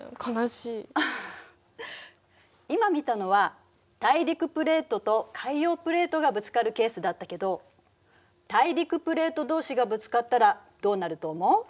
今見たのは大陸プレートと海洋プレートがぶつかるケースだったけど大陸プレートどうしがぶつかったらどうなると思う？